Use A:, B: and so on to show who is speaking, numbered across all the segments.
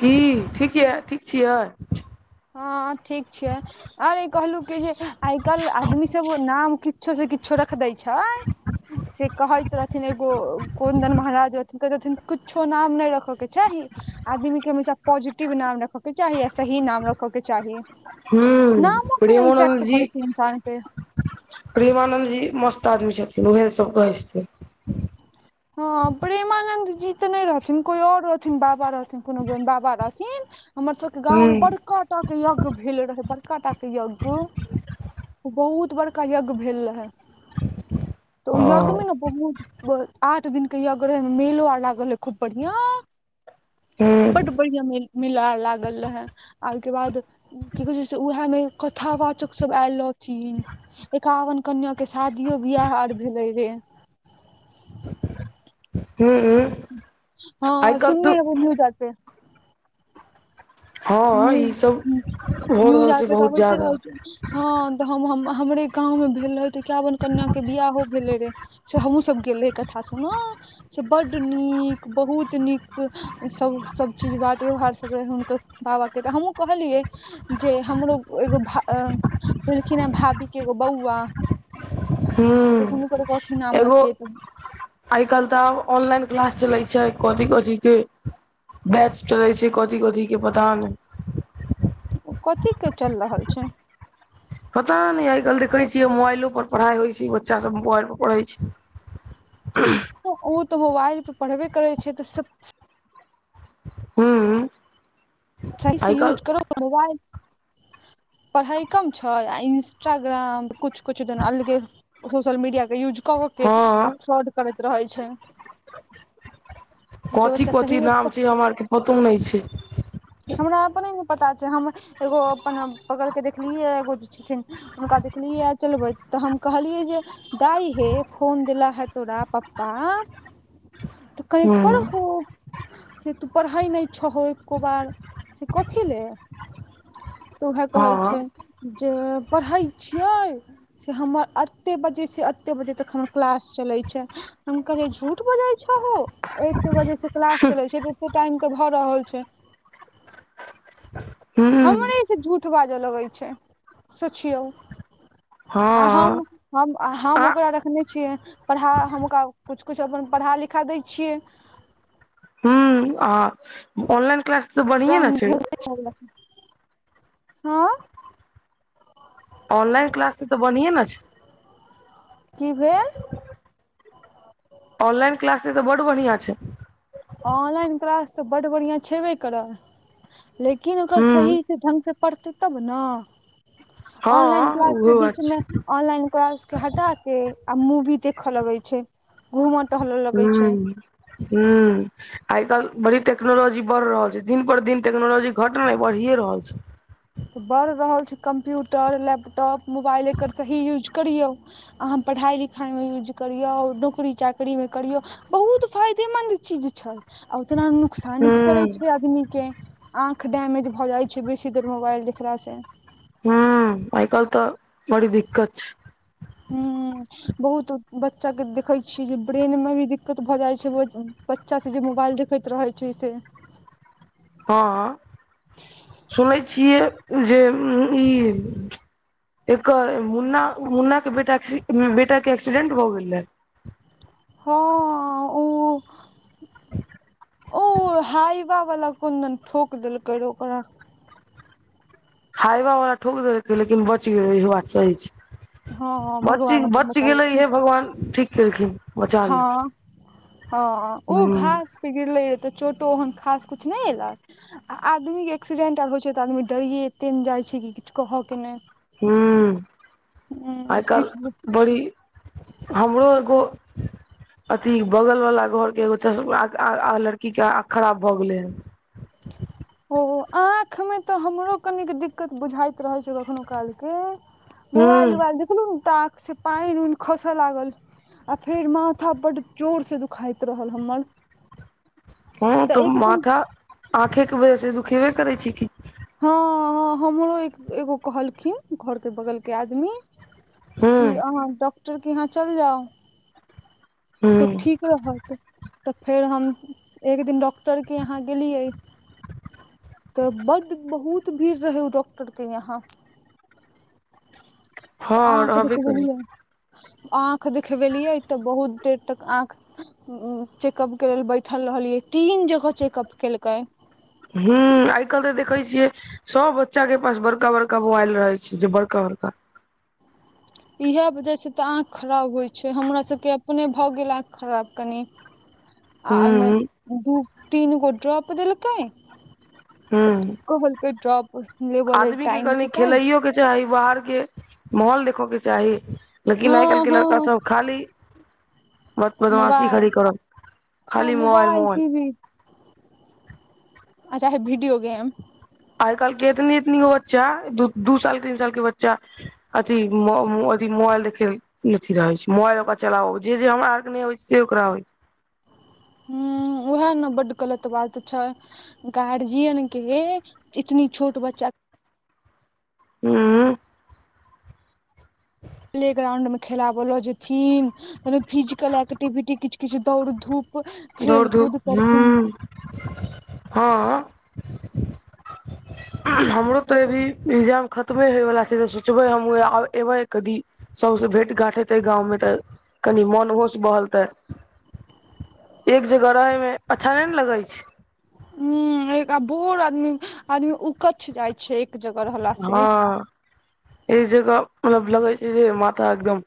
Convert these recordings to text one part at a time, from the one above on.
A: की ठीक या
B: हँ ठीक छियै आर ई कहलहुँ कि जे आइ काल्हि आदमी सब नाम किछो से किछो रख दै छै आय से कहैत रहथिन एगो कुन्दन महाराज रहथिन कहैत रहथिन कुछो नाम नहि रखय के छय आदमी के हमेशा पॉजिटिव नाम रखे के चाही आ सही नाम रखे के चाही
A: हूं
B: नामो केना
A: प्रेमानन्द
B: इफेक्ट
A: जी
B: पड़ै छै इन्सान पे
A: प्रेमानन्द जी मस्त आदमी छथिन उएहे सब कहै छथिन
B: हँ प्रेमानन्द जी तऽ नहि रहथिन कोइ ओर रहथिन बाबा रहथिन कोनो बाबा रहथिन हमर सभके गाँवमे
A: हूं
B: बड़काटाके यज्ञ भेल रहै बड़काटाके यज्ञ बहुत बड़का यज्ञ भेल रहे त
A: ओ
B: यज्ञमे ने बहुत आठ दिन के यज्ञ रहै मेलो आर लागल रहेय खूब बढ़िया
A: हूं
B: बड बढ़िया मेला मेला लागल रहे आ ओहिके बाद की कहे छै से उएह मे कथा वाचक सब आयल रहथिन एकावन कन्या के शादियो बियाह आर भेले रे
A: हूं हूं आइ
B: हँ
A: काल्हि
B: सुननी
A: तऽ
B: हन एगो हमहूँ रखबै
A: हँ
B: न्यूज
A: ईसभ हो
B: न्यूज
A: रहल
B: आर
A: छै
B: पे तऽ
A: बहुत
B: अबैते रहै
A: जादा
B: छै हँ तऽ हम हमरे गाँव मे भेल रहे त इकाबन कन्या के बियाह हो भेलै रे से हमहुँ सब गेले कथा सुनअ बड नीक बहुत नीक सभ सब चीज बात व्यवहार सब रहै हुनकर बाबा तऽ हमहूँ कहलियै जे हमरो एगो भेलखिन हे भाभी के एगो बौआ
A: हूं
B: तऽ हुनकर कथि नाम
A: एगो
B: रखिए त
A: आइ काल्हि तऽ ऑनलाइन क्लास चलै छै कथी कथी के बैच चले छै कथी कथी के पता नइ
B: कथी के चलि रहल छै
A: पता नहि आइ काल्हि देखै छियै मोबाइलोपर पढ़ाइ होइ छै बच्चासभ मोबाइलपर पढ़ै छै [inaudible]
B: ओ तऽ मोबाइल पर पढ़बे करै छै तऽ सब
A: हूं
B: सही
A: आइ
B: से यूज करो
A: काल्हि
B: मोबाइल पढ़ाइ कम छै आ इंस्टाग्राम किछु किछु दन अलगे सोशल मीडियाके यूज कऽ कऽ के आ
A: हँ
B: फ्रॉड करैत रहै छै के
A: कथी
B: बच्चा सही
A: कथी नाम
B: रस्ता
A: छै हमरा आर के पतो नहि छै
B: हमरा अपने ने पता छै हम एगो अपन बगल के देखलियै एगो जे छथिन हुनका देखलियै चलबै तऽ हम कहलियै जे दाइ हे फोन दला है तोरा पप्पा तऽ कनिक
A: हूं
B: पढ़हो से तू पढ़ाइ नहि छहो एको बार से कथि ले तऽ उहै कहै
A: हँ
B: छै जे पढ़ै छियै से हमर एतेक बजेसँ एतेक बजे तक हमर क्लास चलैत छै हम कहलिये झूठ बजा छहो एते बजे से क्लास चले छै तऽ एते टाइम तऽ भऽ रहल छै
A: हूं
B: हमरे से झूठ बाजऽ लगैत छै सोचियौ आ हम
A: हँ
B: हम
A: आ
B: ओकरा रखने छियै पढ़ा हम ओकरा कुछ कुछ अपन पढ़ा लिखा दै छियै
A: हूं आ ऑनलाइन क्लास तऽ बढ़िये ने
B: राम
A: छै
B: धनु चले हँ
A: ऑनलाइन क्लास से तऽ बढ़ियए ने छै
B: की भेल
A: ऑनलाइन क्लास से तऽ बड बढ़िआ छै
B: ऑनलाइन क्लास तऽ बड्ड बढ़िआँ छेबे करत लेकिन ओकर सही
A: हूं
B: सही ठंगसे पढ़ते तब ने
A: हँ
B: ऑनलाइन क्लास के
A: उहो बात
B: बीच मे
A: छै
B: ऑनलाइन ऑनलाइन क्लास हटा के आ मूवी देखऽ लगे छै घूम
A: हू हू आइ काल्हि बड़ी टेक्नोलॉजी बढ़ि रहल छै दिन पर दिन टेक्नोलॉजी घटना बढ़िए रहल छै
B: तऽ बढ़ि रहल छै कम्प्यूटर लैपटॉप मोबाइल एकर सही यूज करियौ अहाँ पढ़ाइ लिखाइमे यूज करियौ नौकरी चाकरीमे करियौ बहुत फायदेमन्द चीज छै आ उतना नुकसान भी करै
A: हूं
B: छै आदमी के आँख डैमेेज भऽ जाइ छै बेसी देर मोबाइल देखला से
A: हू आइ काल्हि तऽ बड़ी दिक्कत छै
B: ह बहुत बच्चा के देखे छियै जे ब्रेन में भी दिक्कत भऽ जाइ छै बच्चा से जे मोबाइल देखैत रहे छै से
A: हँ सुनै छियै जे ई एकर मुन्ना मुन्ना के बेटा बेटा के एक्सीडेंट भऽ गेलै
B: हँ उ उ हाइबा वाला कोनदन ठोक देलकै रहय
A: हाइबा वला ठोक देलकै लेकिन बचि गेलै ई बात सही छै
B: हँ
A: बच
B: भगवान अपन
A: बच
B: बचा लेलखिन
A: गेलेहे भगवान ठीक केलखिन बचा
B: हँ
A: लेलखिन ह
B: गिड़ले रहय तऽ चोटो ओहन खास कुछ नहि एलक आदमी के एक्सीडेंट आर होइ छै तऽ आदमी डरिये एते ने जाइ छै कि किछु कहय के नहि
A: हू
B: उम्म
A: आइ
B: किछु
A: काल्हि बड़ी हमरो एगो अथी बगल वाला घर के एगो च लड़की के आंख खराब भए गेले हे
B: ओ आँखि मे तऽ हमरो कनिक दिक्कत बुझाइत रहैत छै कखनो कालके मोबाइल
A: हूँ
B: उबाइल देखलु तऽ आंख से पानि उनि खसे लागल आ फेर माथा बड जोर से दुखाइत रहल हमर
A: हू तऽ
B: एक दिन
A: माथा आँखे के वजह से दुखेबे करै छी क
B: हँ ह हमरो एगो कहलखिन घरके बगल के आदमी
A: हूँ
B: कि अहाँ डॉक्टरके यहाँ चलि जाउ तऽ
A: हूँ
B: ठीक रहत तऽ फेर हम एक दिन डॉक्टरके यहाँ गेलियै तऽ बड्ड बहुत भीड़ रहै ओ डॉक्टर के यहाँ
A: हँ
B: तऽ आँख
A: रहबे करै
B: देखबेलियै आँख देखबेलियै तऽ बहुत देर तक आँख उ चेकअप कर लेल बैठल रहलियै तीन जगह चेकअप केलकै
A: हू आय काल्हि तऽ देखै छियै सब बच्चा के पास बड़का बड़का मोबाइल रहे छै जे बड़का बड़का
B: इएह वजहसँ तऽ आँखि खराब होय छै हमरा सभके अपने भऽ गेल आँखि खराब कनि आमे
A: हूँ
B: दू तीन को ड्रप देलकैय
A: हू
B: कहलके ड्रप लेबलेल टाइम
A: कनि
B: पर
A: खेलैयो के बाहर के माहौल देखऽ के चाही लेकिन आइ काल्हि
B: हँ
A: के लड़का
B: हँ
A: सब खाली बदमाशी
B: मोबाइल
A: खरी करब
B: हँ
A: खाली मोबइल मोबाइल
B: टी वी आ चाहे वीडियो गेम
A: आय काल्हि के इतनी इतनी हो बच्चा दू साल तीन साल के बच्चा अथी अथी मोबइल देखे अथी रह होइ छै मोबइल ओकरा चला जे हमरा आर के नहि होइ छै से ओकरा होइ छै
B: हु उएह ने बड गलत बात छै गार्जियन के लेल इतनी छोट बच्चा
A: हू
B: प्लेग्राउंड में खेलाब ल जेथिन फिजिकल एक्टिविटी किछु किछु दौड़ धूप
A: दौड़
B: खेल
A: धूप
B: कूद करथिन
A: हूँ हँ हमरो तऽ अभी एग्जाम खतमे होइवला छै तऽ सोचबै हम एबै कथी सभसँ भेँट घाँट हेतै गाँवमे तऽ कनि मोन होश बहलतै एक जगह रहे मे अच्छा नहि ने लगै छै
B: हु एक बोड़ आदमी आदमी उकछ जाय छै एक जगह रहला से
A: हँ एक जगह मतलब लगै छै जे माथा एकदम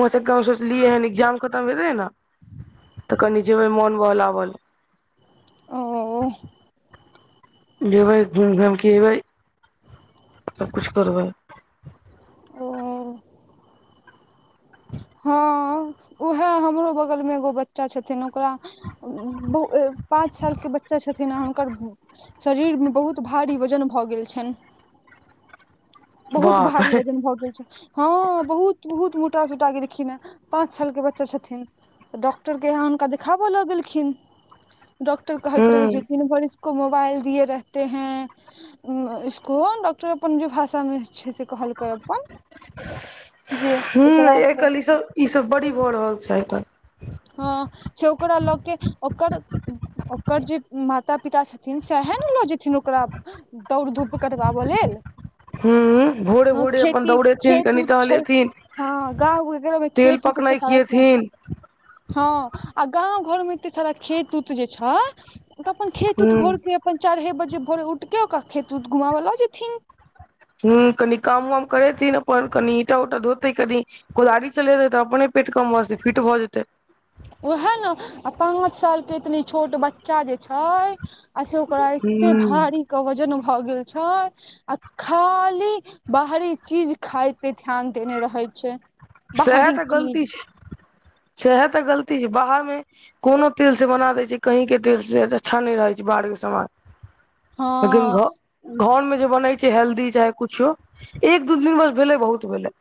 A: उह चक हम सोचलियै हन एग्जाम खतम हेतै ने तऽ कनि जेबै मोन बहलाबल
B: ओ
A: जेबै घूमि घामिके अबै सबकिछु करबै
B: ओ
A: [unintelligible]
B: हँ उएह हमरो बगल मे एगो बच्चा छथिन ओकरा पाँच साल के बच्चा छथिन आ हुनकर शरीर मे बहुत भारी वजन भऽ गेल छनि बहुत
A: बाप
B: भारी
A: रे
B: वजन भऽ गेल छै हँ बहुत बहुत मोटा सोटा गेलखिन ह पाँच साल के बच्चा छथिन तऽ डॉक्टर के यहाँ हुनका देखाबय लगेलखिन डॉक्टर कहैत
A: हूँ
B: रहे छै ती भरि को मोबाइल दिए रहते हैं इसको डॉक्टर के जे अपन भाषा मे छै से कहलकै अपन जे
A: हूँ
B: एकरा
A: आइ
B: से
A: काल्हि ई सब ई सब बड़ी भऽ रहल छै एतऽ
B: हँ छौकरा लऽके ओकर ओकर जे माता पिता छथिन सएहे ने लऽ जेथिन ओकरा दौड़ धूप करबाबऽ लेल
A: हूँ भोरे
B: हँ
A: भोरे अपन
B: खेती
A: दौड़ेथिन
B: खेत
A: कनि
B: उत छै
A: टहलेथिन
B: हँ गाँव घर मे
A: तेल
B: खेत उतऽ एते सारा छै
A: पकनैखियेथिन
B: हँ आ गाँव घर मे एते सारा खेत उत जे छै तऽ अपन खेत उत
A: हूं
B: भोर के अपन चारे बजे भोेरे उठके ओकरा खेत उत घुमवऽ लऽ जेथिन
A: हुँ कनी काम वाम करेथिन अपन कनी ईंटा उंटा धोतै कनी कोदारी चलेतै तऽ अपने पेट कम भऽ जेतै फिट भऽ जेतै
B: उएह ने आ पाँच सालके एतनी छोट बच्चा जे छै आ से ओकरा एतेक
A: हूं
B: भारी के वजन भऽ गेल छै आ खाली बाहरी चीज खाय पे ध्यान देने रहै छै
A: सएह
B: बाहरी
A: तऽ गलती
B: चीज
A: छै सएह तऽ गलती छै बाहरमे कोनो तेल से बना दै छै कहीं के तेल से अच्छा नहि रहै छै बाहर के समान लेकिन
B: हँ
A: घर घर मे जे बनै छै हेल्दी चाहे कुछो एक दू दिन बस भेलै बहुत भेलै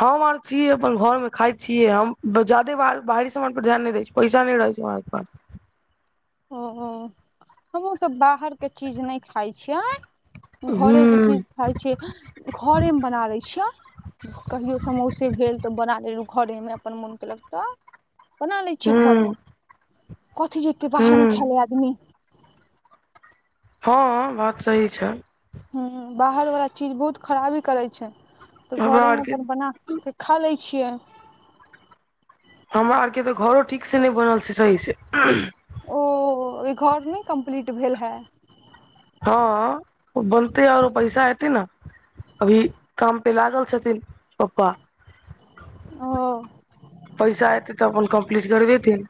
A: हम आर छीय अपन घर मे खाइत छियै हम जादे बाहरी समान पर ध्यान नहि दै छी पैसा नहि रहै छै हमरा आर के पास
B: ओ हमहूँ सब बाहरके चीज नहि खाइ छियै घरेके
A: हूं
B: चीज खाइ छियै घरेमे बना लै छियै कहियो समोसे भेल तऽ बना लेलहुँ घरेमे अपन मोन केलक तऽ बना लै छियै घरमे
A: हूं
B: कथी जेते बाहर
A: हूं
B: मे खेलै आदमी
A: हँ बात सही छै
B: हूँ बाहर वाला चीज बहुत खराबी करे छै तऽ
A: हमरा
B: घरे मे
A: आरके
B: अपन बना खा लै छियै
A: हमरा आर के तऽ घरो ठीक से नहि बनल छै सही से
B: ओ घर नहि कम्प्लीट भेल हे
A: हँ बनतै आओरो पैसा हेतै न अभी काम पे लागल छथिन पप्पा
B: ओ
A: पैसा एतै तऽ अपन कम्प्लीट करबेथिन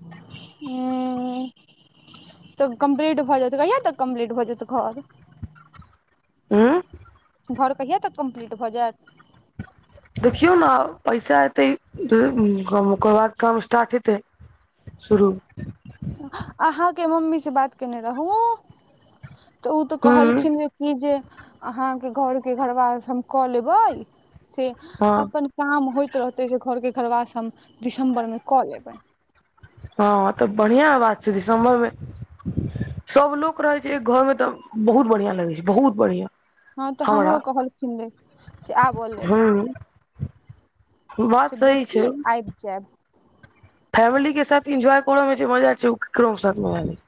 B: हुँ तऽ कम्पलीट भऽ जेतै कहिया तक कम्पलीट हो जेतै घर
A: उँ
B: घर कहिया तक कम्पलीट भऽ जेत
A: देखियौ न पैसा एतै ओकर बाद काम स्टार्ट हेतै शुरू
B: अहाँके मम्मी से बात केने रहू तऽ ओ तऽ
A: हूँ
B: कहलखिन कि जे अहाँके घरके घरवास हम कऽ लेबै से
A: हँ
B: अपन काम होइत रहते से घर के घरबास हम दिसम्बर मे कऽ लेबै
A: हँ तऽ बढ़ियाँ बात छै दिसम्बरमे सभ लोक रहैत छै एक घरमे तऽ बहुत बढ़ियाँ लगै छै बहुत बढ़ियाँ
B: हँ तऽ हमरो कहलखिन रे जे आबऽ लेल
A: हूँ
B: से
A: बात सही छै
B: बुची आइब जेब
A: फैमिली के साथ एन्जॉय करऽ मे जे मजा छै ओ केकरो के साथ मजा नहि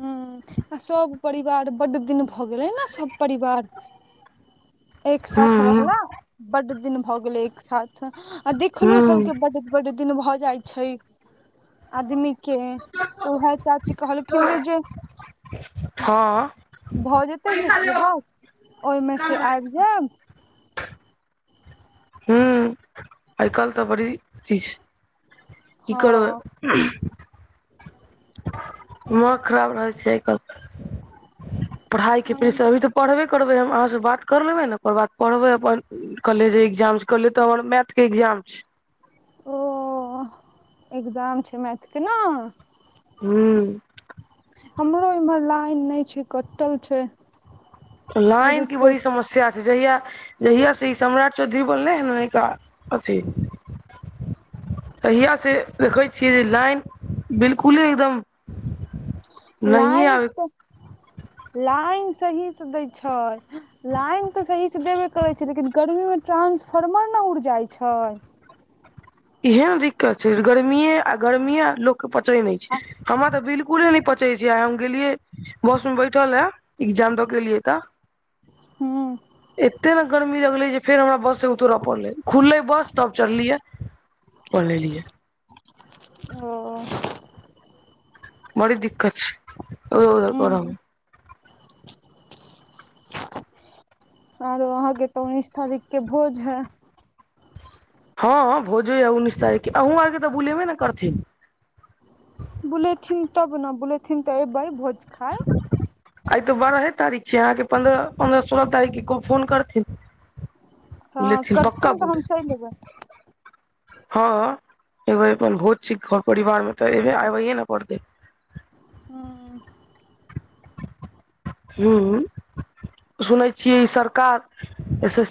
B: हँ आ सब परिवार बड्ड दिन भऽ गेलै ने सब परिवार एक साथ
A: हूं
B: रहला बड्ड दिन भऽ गेलै एक साथ आ देखलो
A: हूं
B: सबके बड्ड बड्ड दिन भऽ जाइ छै आदमी के तऽ उहे चाची कहलखिन रे जे
A: हँ
B: भऽ जेतै से
A: पैसा लेबो
B: घरबास ओइमे
A: काल
B: से
A: मे
B: आब
A: हू आइ काल्हि तऽ बड़ी चीज ई करबै
B: हँ
A: दिमाग खराब रहै छै पढ़ाइ के अभी तऽ पढ़बे करबै हम अहाँ से बात कर लेबै ने ओकर बाद पढ़बै अपन कलहे जे एग्जाम छै कलहे तऽ हमर मैथ के एग्जाम छै
B: ओ एग्जाम छै मैथे के न
A: हू
B: हमरो इमहर लाइन नहि छै कटल छै ओ
A: लाइन
B: जे
A: के
B: छै
A: बड़ी समस्या जहिया जहिया से ई सम्राट चौधरी बनलै ह न नैयका अथी तहिया से देखैत छियै जे लाइन बिल्कुले एक एकदम नहिये
B: लाइन
A: आबे
B: तऽ लाइन सहीसँ दै छै लाइन तऽ सहीसँ देबे करैत छै लेकिन गर्मी मे ट्रानंसफार्मर ने उड़ जाइत छै
A: इहे ने दिक्कत छै गर्मीेये आ गर्मीये लोक के पचय नैय छै हमरा तऽ बिल्कुले ने पचय छै आय हम गेलियै बस में बैठला एग्जाम दऽ के एलियै तऽ
B: हूँ
A: एते ने गर्मी लगले जे फेर हमरा बस से उतरऽ पड़ले खुलले बस तब चढ़लियै लऽ लियै
B: ओ
A: बड़ी दिक्कत छै ओ
B: हूँ
A: गरमे
B: [inaudible] आरो अहाँके तऽ उन्नीस तारीख के भोज है
A: हँ हँ भोजे यऽ उन्ननीस तारीखके अहूँ आरके तऽ बुलेबे न करथिन
B: बुलैथिन तब न बुलैथिन तऽ अबै भोज खैय
A: आइ तऽ बारहे तारीख छै अहाँके पन्द्रह पन्द्रह सोलह तारीखके फोन करथिन
B: हँ
A: बुलेथिन पक्का
B: करथिन तऽ
A: बोल
B: हम चलि एबै
A: हँ एबैय अपन भोज छै घर परिवार मे तऽ आबेये न पड़तै
B: हुं
A: हुं सुनै छियै ई सरकार एस एस